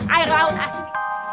air laut asin